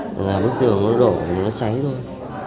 rồi là bức tường nó đổ nó cháy thôi